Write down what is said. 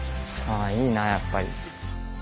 いいなやっぱり。